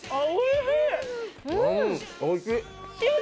・おいしい。